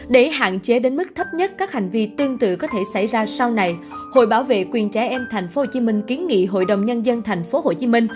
để hạn chế đến mức thấp nhất các hành vi tương tự có thể xảy ra sau này hội bảo vệ quyền trẻ em tp hcm kiến nghị hội đồng nhân dân tp hcm